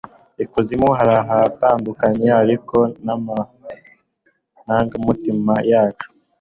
Ikuzimu haratandukanye ariko n'amarangamutima yacu